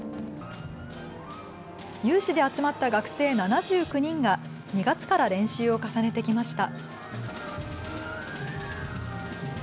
有志で集まった学生７９人が２月から練習を重ねてきました。